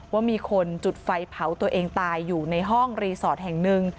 ว่ามีคนจุดไฟเผาตัวเองตายอยู่ในห้องรีสอร์ทแห่งหนึ่ง